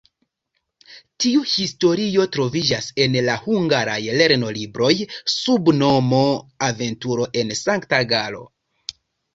Tiu historio troviĝas en la hungaraj lernolibroj sub nomo "Aventuro en Sankt-Galo".